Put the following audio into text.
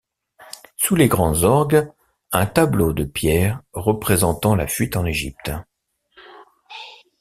Sous les grandes orgues, un tableau de pierre représentant la fuite en Egypte.